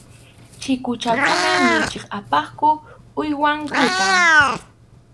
Chikuchakuna michiq apaqku uywankuta.